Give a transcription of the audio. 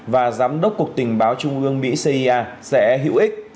và giám đốc cục tình báo trung ương mỹ cia sẽ hữu ích